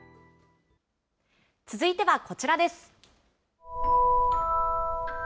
続いてはこちらです。